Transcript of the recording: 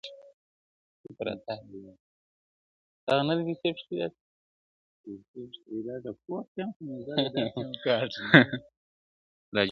لاجواب یې لا ثاني یې بې مثال یې.